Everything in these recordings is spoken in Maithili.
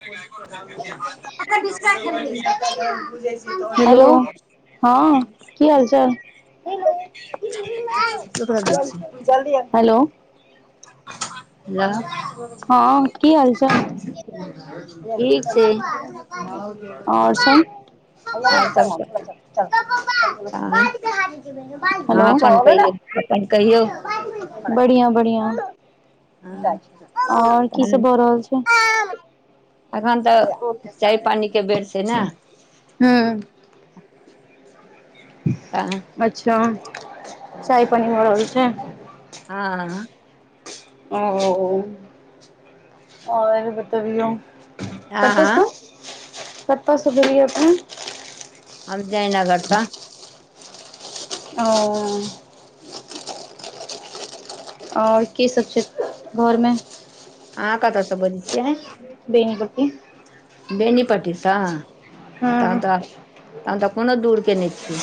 [unintelligible] हेलो हँ की हाल चाल हेलो दै जल्दी हेलो हेलौ हँ ठीक की हाल चाल छै पपा हेहो आओर सब पप्पा हँ अपन कहियौ हेलो अपन कहियौ हँ बढ़िया बढ़िया आओर की तहन सब भऽ रहल छै एखन तऽ चाय पानी के बेर छै न् हू ह अच्छा चाय हँ पानी भऽ रहल छै हँ ओ आ तभियौ हँ कत्तऽ स कत सु बोलियौ अपने हम जयनगर सँ ओ आओर के सब छै घर मे अहाँ कतऽ से बजै छियै बेनिपट्टी बेनीपट्टी स आ हँ तहन तऽ तहन तऽ कोनो दूर के नहि छी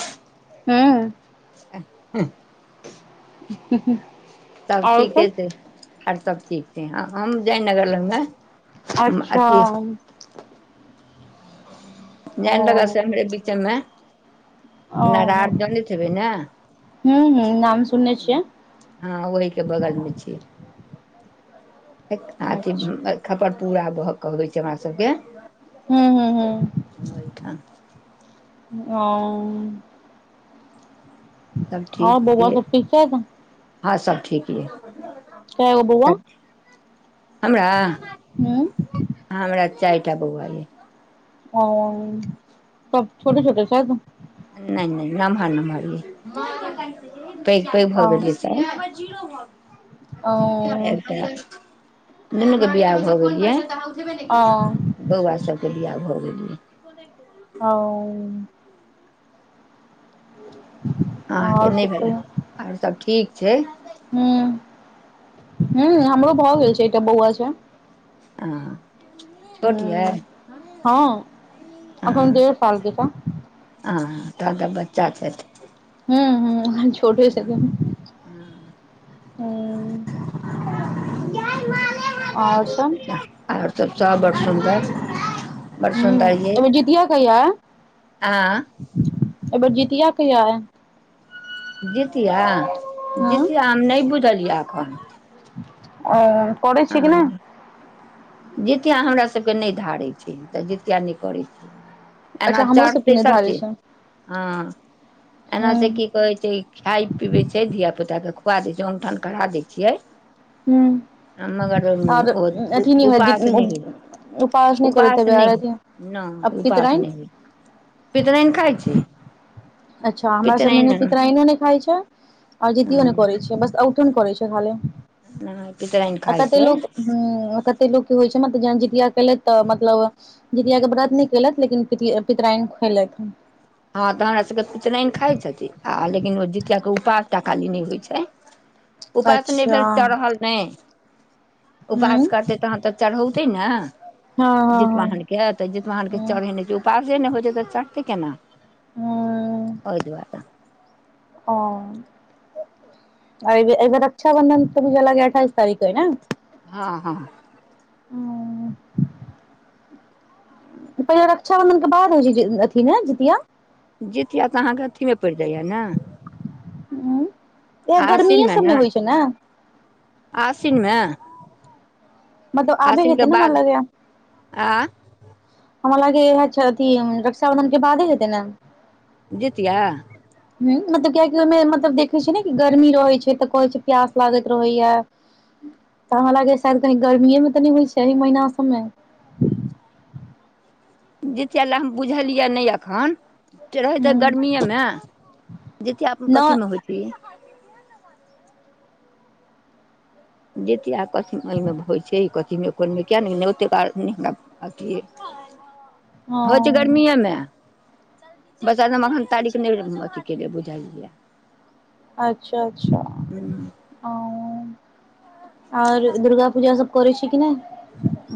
हूंम्म आ [inaudible] [unintelligible] सब ठीके छै आर सब ठीक छैे हम जयनगर लग मे अच्छा जयनगर से ओ एम्हरे बीचे मे ओ हूंम्म हूंम्म नाम सुनने छियै हँ ओहि के बगल मे छियै अथी अच्छा खपरपुरा भऽ कहबै छै हमरा सभ के हूंम्म हूंम्म हूंम्म अइ [unintelligible] ठन ओ सभ ठीक आओर बौआ छियै सब ठीक छैथ हँ सब ठीक ये कै गो बौआ सब ठीक हमरा हूँ हमरा चारि टा बौआ अय ओ सब छोटे छोटे छथि नहि नहि नम्हर नम्हर यै पैघ पैघ भऽ ओ गेलै ओ [unintelligible] दुनू के बियाह भऽ गेलियै ओ बौआ सब के बियाह भऽ गेल यै [unintelligible] ओ [inaudible] अहाँके नहि सब भेल आओर सभ ठीक छै हूंम्म हमरो भऽ गेल छै एकटा बौआ छै हँ छोट यै हूँ हँ अखन देढ़ साल के छै हँ तहन तऽ बच्चा छथि हूंम्म हूंम्म हँ हँ हूँ आओर सब [unintelligible] आओर सभ सभ बड़ सुन्दर बड़ हूंम्म सुन्दर ये अयबेर जितिया कहिया अय आँ अय बेर जीतिया कहिया अय जितिया हूं जितिया हम नहि बुझलिय यै एखन ओ करै छी कि नै हँ जितिया हमरासभके नहि धारैत छै तऽ जितिया नहि करैत छीयै एना अच्छा हमरो सबके चढ़कतै निर्धारित सबचीज छै हँ एना हूं से की कहै छै खाइ पीबै छै धिय पुताके खुआ दै छै ओमठन करा दै छियै हूँ हम मगर होयत जित उपास नै होइ है नै करैत उपास हेबै आर नहि अथी आ नै उपास पितराइन नहि पितरैन खाइ छै अच्छा हमरा सबमे ने पितरायनो नहि खाइ छै आओर जतियो ने करे छै बस ओमठन करै छै खालि पितराइन आ खाइ कते छै लोक हूंम्म कते लोक के होइ छै मतलब जहन जितिया केलथि तऽ मतलब जितिया के व्रत नहि केलथ लेकिन पिट पितरायन खुएलथि हँ तऽ हमरा सबके पितरायान खाय छथिन आ लेकिन जीतिया के उपास टा खाली नहि होइ छै उपास नहि अच्छा भेल चढ़ल नहि हूं हँ उपास करतै तहन तऽ चढ़ौतै ने हँ हँ जितवाहन के तऽ जितवाहन के हूं चढ़ेने छै उपास सेे नहि होइत छै तऽ चढ़तै केना ह ओय दूआरे ओ अय बेर रक्षाबंधन तऽ भी लगैये अठाइस तारीख के हय कि ने हँ हँ हूँ पहिनेे रक्षाबंधन के बाद हय छै अथिन ने जितिया जीतिया तऽ अहाँके अथीमे पड़ि जाइय ने ह इएह गर्मीे सबमे होइ छै न आसिनमे मतलब आबे हेतै ने मन बाद लग आ हमरा लागे अथी रक्षा बंधन के बादे हेतै ने जितिया ह मतलब कियाकि ओहिमे मतलब देखे छै ने कि गर्मी रहे छै तऽ कहे छै प्यास लागैत रहैया अ [unintelligible] तऽ हमरा लागै शायद कही गर्मीए मे तऽ नहि होइ छै एहि महीना सबमे [unintelligible] जितिया लए हम बुझलियै नहि अखन रहैत हूँ गर्मीेए मे जितिया न कथी मे होइत छै जितियाक कथी ओमे होइ छै ई कथीमे कोनमे किएक नहि नहि ओतेक नहि हमरा अथइ होय छै हँ गर्मिएमे बस आधमे अन तारीख नहि अथ के लि बुझलियै अच्छा अच्छा आओर दुर्गा पूजा सब करै छी कि ना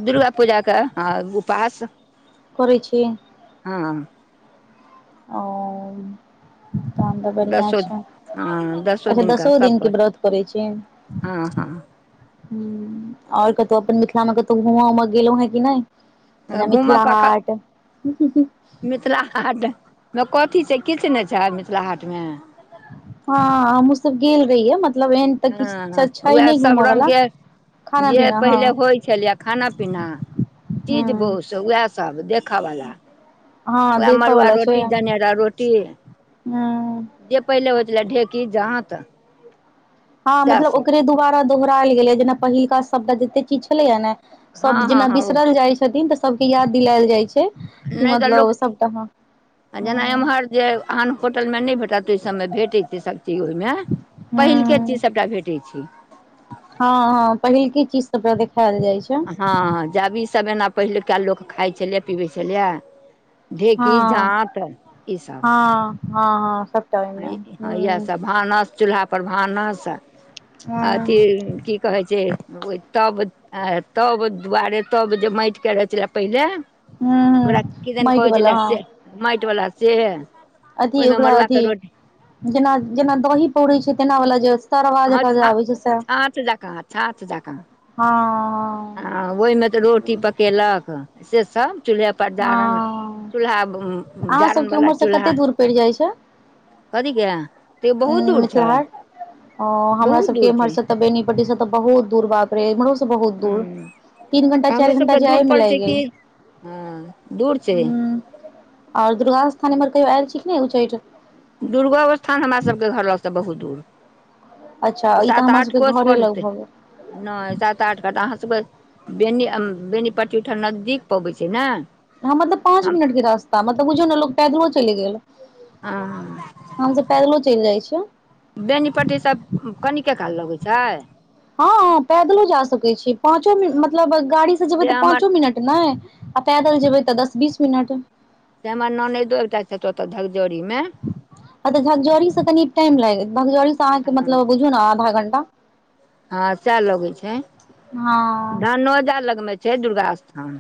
दुर्गा पूजाके हँ उपास करै छी हँ ह तहन तऽ बढ़िआँ दसो छै हँ अच्छा दिनका दसो सभपर दिनके व्रत करै छी हँ हँ ह आओर कतहु अपन मिथिला मे कतहु घुमा उम गेलहुं हें कि नहि जेना घूमऽ मिथिला कखन हाट मिथिला हाट मे कथी छै किछु नहि छै मिथिला हाटमे हँ हमहुँ सब गेल रहियै मतलब एहन तऽ किछु हँ छै उएह नहि सभ घूमयवला रङ्गके जे पहिले होय छलै खाना पीना चीज हूँ बोस उएह सब देखऽवला हँ उह देखऽ मड़ुआ वाला छै रोटी देने रह रोटी हूँ जे पहिले होय छलै ढेकी जात हँ मतलब ओकरे दुबारा दोहराएल गेल जेना पहिलका शद जते चीज छले हा ने सभ हँ हँ जेना हँ ओ बिसरल जाय छथिन त सभके याद दिलायल जाइ छै क नहि तऽ मतलब लोक सबटा ह आ जेना ह एम्हर जे आन होटल मे नहि भेटत त इ सबमे भैटे छ ओहिमे पहिलके चीज हँ सबटा भेटै छै हँ हँ पहिलके चीज सबटा देखायल जाय छै हँ जब ई सब एना पहिलुका लोक खाय छलियै पीबै छलियै हँ ढ़ेकी जांत ई सब हँ हँ हँ सबटा ओहिमे ह इएहसभ भानस चूल्हा पर भानस हँ अथी की कहै छै ओहि तब तब दुआरे तब जे माटिके रहै छलै पहिले हूँ ओकरा हूँ किदन माटि कहै वाला छैले से हँ माटि वला सेह अथी ओकरा अथी जेना जेना दही पौरै छै तेना वाला जे तरवा हँ जकाँ जे आबै छौ सैह छाँछ जकाँ ह ओहिमे तऽ रोटी पकेलक से सब चूल्हे हँ पजारन हँ चूल्हा अहाँ जारन सबके बाला उम्हर से चूल्हा कते दूर पड़ि जाइ छै कथी के तयो बहुत दूर छै अ हमरा बहुत सब के दूर इम्हर छै से त बेनी पटी से तऽ बहुत दूर बाग इमरो सँ बहुत हँ दूर तीन घंटा तऽ हमरो चार सबके घंटा जाई दूर मे पड़ै लागि छै कि गेल हँ दूर छै और दुर्गा स्थान हमर कहियो आयल छी कि ने उच्चैठ दुर्गोस्थान हमरा सबके घर लगसँ बहुत दूर अच्छा ई तऽ सात हमरा आठ सबके कोष घरे लग पड़तै भऽ गेल नहि सात आठ कत अहाँ सबके बेनी बेनीपट्टी ओहिठाम नजदीक पबै छै ने ह मतलब पाँच हम मिनट के रास्ता मतलब बुझियौ ने लोक पैदलो चलि गेल आ हमसब पैदलो चलि जाइ छियै बेनीपट्टी सब कनिके काल लगै छै हँ पैदलो जा सकै छी पाँचो मिन मतलब गाड़ीसँ जेबै से तऽ हमर पाँचो मिनट नै आ पैदल जेबै तऽ दस बीस मिनट से हमर नन्नैदो एकटा छै ओतऽ धकजौड़ीमे अ त झकजौरी से कनी टाइम लाग झकजौरीसँ अहाँके मतलब बुझयो ने आधा घंटा हँं सएह लगे छै हँ धनोजा लगमे छै दुर्गा स्थान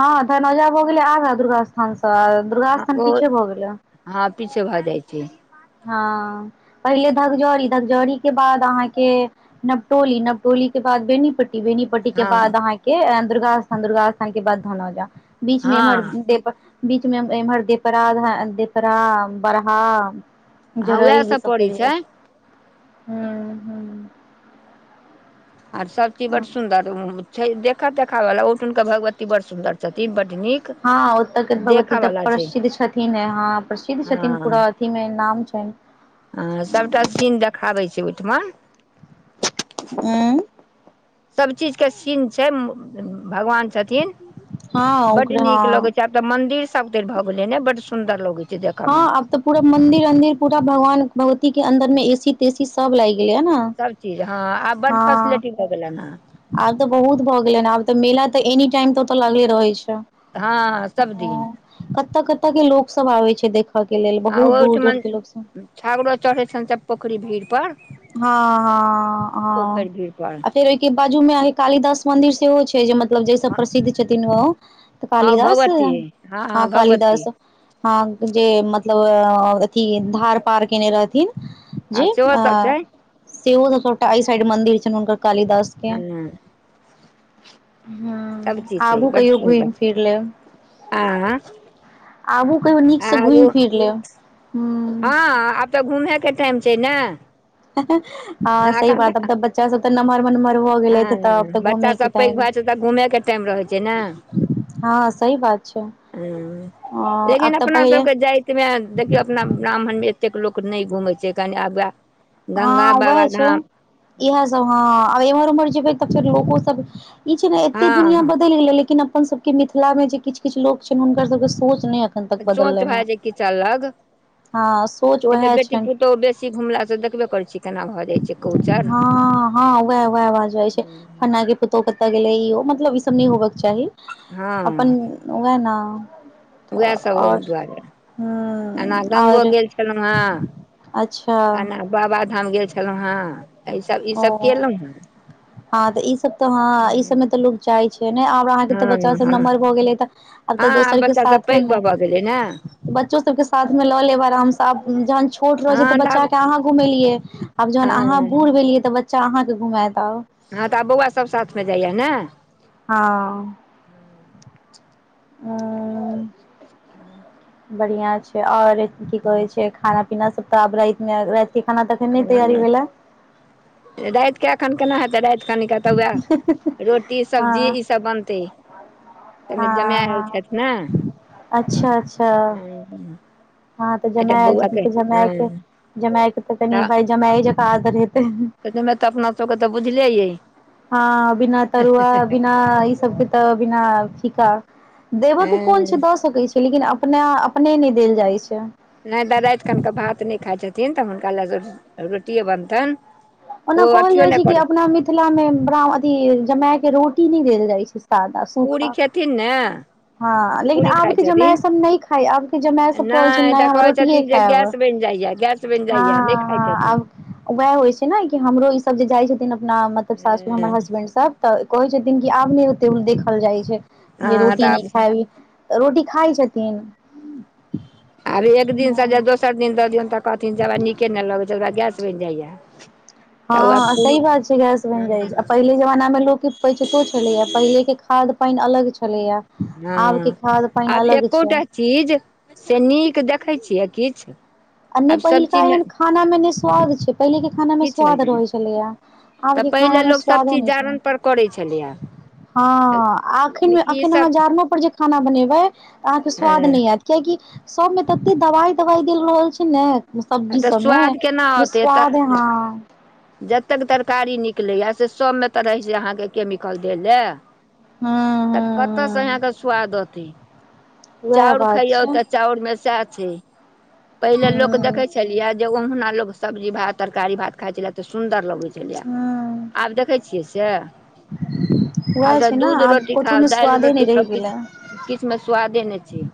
हँ धनौजा भऽ गेले आगा दुर्गा स्थान से आ दुर्गा स्थान ओ पीछे भऽ गेले हँ पीछे भऽ जाइ छै हँ पहिले धकजौरी धकजौरी के बाद अहाँके नबटोली नबटोली के बाद बेनीपट्टी बेनी पट्टी के हँ बाद अहाँ के दुर्गा स्थान दुर्गा स्थान के बाद धनौजा बीच मे इम्हर हँ दे बीच मे इम्हर देपरा देपरा बड़हा हँ उएह जरैल ई सब सभ पड़ै पड़ि जाइ छै ह ह आर सब चीज बड़ आ सुन्दर छै देखत देखावला ओहठुमक भगवती बड़ सुन्दर छथिन बड नीक हँ ओत के भगवती देखऽ त वाला छै प्रसिद्ध छथिन ह हँ प्रसिद्ध छथिन पूरा अथीमे नाम छै ह सबटा सीन देखाबे छै ओहिठमा अम्ह सब चीज के सीन छै भगवान छथिन हँ बड ओकरे नीक लगै हँ छै तऽ मंदिर सब तरि भऽ गेले ने बड सुंदर लगै हँ आब त पूरा मंदिर अंदिर पूरा भगवान भगवती के अंन्दर मे ए सी तेसी सब लागि गेले ना सबचीज हँ आब बड्ड फैसिलिटी भऽ गेलै ना आब त बहुत भ गेले ह आब त मेला तऽ एनी टाइम तऽ ओतऽ लगले रहय छै हँ हँ सबदिन कत्त कत्त के लोक सब आबै छै देख के लेल आ बहुत दूर दूर ओहिठमन के लोक सब छागड़ो चढ़ै छनि सभ पोखरि भीड़ पर हँ हँ हँ भीड़पर आ फेर ओइ के बाजू में अइ कालिदास मंदिर सेहो छै जे मत मतलब जैस हँ प्रसिद्ध छथिन ओ तऽ हँ कालिदास भगवती हँ कालिदास भगवती हँ जे मतलब अथी धार पार केने रहथिन आ जे ओ सेहोसभ छै सेहो सब सबटा अई साइड मंदिर छनि हुनकर कालिदास ह ह सभचीज छै आबू बड्ड कहियो घुमि सुन्दर फिर लेब आँ आबू कहियौ नीकसँ घुमि आगू फिर लेब ह्म हँ आब तऽ घूमैके टाइम छै ने हँ सही बात अब तऽ बच्चा सब तऽ नम्हर नम्हर नम्हर भ गेले त आब हँ तऽ घूमे के बच्चासभ पैघ टाइम भए छै तऽ घूमेके टाइम रहैत छै ने हँ सही बात छै हँ हँ आब लेकिन तऽ अपना पहिले सबके जातिमे देखियौ अपना ब्राह्मणमे एतेक लोक नहि घूमैत छै कनि आब उएह हँ उएह छै इएह सब हँ आ एम्हर उम्हर जेबै तऽ फेर लोको सब ई छ ने एते दुनिया हँ बदलि गेले लेकिन अपन सब के मिथिला मे जे किछ किछ लोग छैन हुनकर सब के सोच नै अखन तक सोच बदलनि है भए जाइ किछु अलग हँ सोच वएह छनि से घुमला स देखबे करै छी केना भऽ जा हँ हँ उएह वएह भ जाइ छै फल्ना के पुतोहु कतऽ गेलै ईहो मतलब ई सब नहि होबक चाही अपन हँ वएह न उएह तऽ सब ओहि और दुआरे एना ह गंगो और गेल छलहुँ अच्छा बाबा धाम गेल छलहुँ हें अ ई सब ई सब ओ केलहुॅं हें हँ तऽ ई सब तऽ हँ ई सबमे तऽ लोग जाइ छै ने और अहाँके तऽ बच्चा हँ सब हँ नम्हर भऽ गेलै तऽ आब तऽ हँ दोसर के बच्चा सब साथो पैघ भऽ नै भऽ गेलै ने बच्चो सभके साथमे लऽ लेब आरामसँ आब जहन छोट रहै छै तऽ हँ आब बच्चाके अहाँ घुमेलियै आब जहन अहाँ हँ बूढ़ भेलियै तऽ बच्चा अहाँके घुमायत आब हँ तऽ आब बौआ सब साथमे जाइया ने हँ हं बढ़िआ छै और की कहे छै खाना पीना सब तऽ आब रातिमे राति के खाना तऽ अखन नहि तैयारी भेल या राति के एखन केना हेतै राति कनि क तऽ वएह रोटी हँ सब्जी ईसभ बनतै ताइमे जमैय हँ आइल हँ छैथ ने अच्छा ह [inaudible] हँ तऽ जमैय आयल छथिन तऽ जमैयके जमैयके तऽ कनि भाई जमैयै जेका आदर हेतै तैमे तऽ अपना सबके तऽ बुझले यै हँ बिना तरुआ बिना ई सबके तऽ बिना फीका देबय के कोन छै हँ दऽ सकैत छै लेकिन अपना अपने नहि देल जाइत छै नहि दाई राति खनक कऽ भात नहि खाइ छथिन तऽ हुनका लए रोटिए बनतनि ओना ओ कहल अथियो जाइ नहि छै कि करै अपना मिथिला मे ब्राम्हण अथि जमैय के रोटी नहि देल जाइ छै सादा पूरी सुखा खेथिन ने हँ लेकिन पूरी खाइ आबके जमैय छथिन सभ नहि खाइ आबके जमैय सभ कहै छैनि नहि तऽ हम कहै रोटिए छथिन जे खायब हँ गैस बनि जाइए गैस बनि जाइए नहि खाइ हँ छथिन आब वैहय होइ छै ने कि हमरो ई सब जे जाइ छथिन अपना मतलब सासुर हमर हँ हसबैंड सब तऽ कहै छथिन कि आब नहि ओते देखल जाइ छै जे हँ रोटी नहि तब खायब रोटी खाइ छथिन आब एक दिनसँ जे हँ दोसर दिन दऽ दियौन तऽ कहथिन जे हमरा नीके नहि लगैत छै‌ हमरा गैस बनि जाइए तऽ ओ हँ पूरी सही बात छै गैस बनि जाइ छै पहिले जमाना में लोकोके पचतो छलेया पहिले के खाद पानि अलग छलेया आब के हँ खाद पानि आब अलग छै एकोटा चीज से नीक देखैत छियै किछु आ नहि आब सभ पहिलका चीजमे एहन खाना मे ने स्वाद छै पहिले के खाना मे किछुमे स्वाद नहि रहै छलैया आब तऽ के पहिले खाना मे लोक सभ स्वादो चीज नहि छै जारनि पर करै छलैए हँ अखन मे अखन अहाँ ईसभ जारनो पर जे खाना बनेबै अहाँके स्वाद हँ नहि आयत किया कि सब मे तते दवाई तवाई देल रहल छै ने सब्जी तऽ सबमे स्वाद केना जे औतै तऽ स्वाद ह हा जतेक तरकारी निकलैया से सभमे तऽ रहै छै अहाँके केमिकल दै ल हूँ तऽ हूँ कतऽसँ हूँ अहाँके स्वाद एतय उएह चाउर बात खइयौ छै तऽ चाउर मे सएह छै पहिले लोक हूँ देखे छलियए जे ओहुना लोग सब्जी भात तरकारी भात खाइ छलए तऽ सुन्दर लगैत छलै ह आब देखैत छियै से वएह आब छै ने दूध आब रोटी कथहु खाउ मे दालि स्वादे रोटी नहि रहि खाउ गेलै कि स्वादे नहि छै